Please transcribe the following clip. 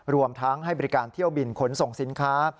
รวมทั้งให้บริการเที่ยวบินขนส่งสินค้า